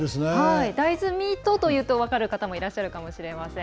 大豆ミートというと分かる方もいるかもしれません。